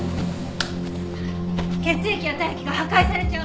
血液や体液が破壊されちゃう！